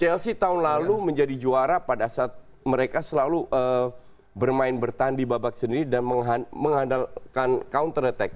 chelsea tahun lalu menjadi juara pada saat mereka selalu bermain bertahan di babak sendiri dan mengandalkan counter attack